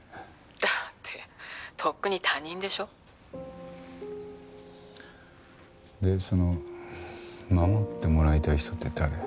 「だってとっくに他人でしょ？」でその護ってもらいたい人って誰？